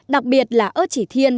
đặc biệt là ớt chỉ thiên